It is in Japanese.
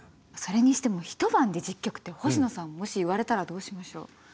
それにしても１晩で１０曲って星野さんもし言われたらどうしましょう？